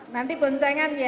nanti boncengan ya